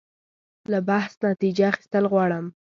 له بحث نتیجه اخیستل غواړم.